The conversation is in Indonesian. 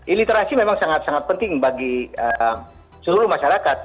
iliterasi memang sangat sangat penting bagi seluruh masyarakat